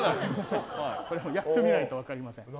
やってみないと分かりません。